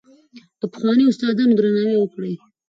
د پخوانیو استادانو درناوی وکړئ.